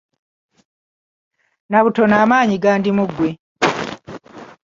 Nnabutono amaanyi gandi mu ggwe